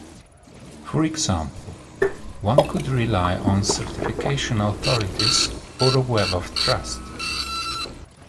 For example, one could rely on certification authorities or a web of trust.